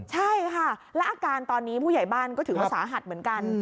ใช่ค่ะและอาการตอนนี้ผู้ใหญ่บ้านก็ถือว่าสาหัสเหมือนกัน